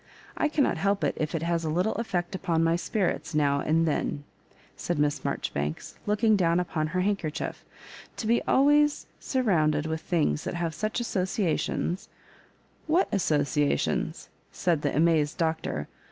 I cannot help if it has a little effect dn my spirits now and then,^ said Miss Marjoribanks, looking down upon her handkerchief, *'to be always sur rounded with things that have such associa tions " "What associations?" said the amazed Doc tor.